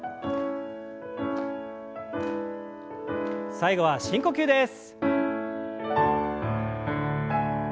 最後は深呼吸です。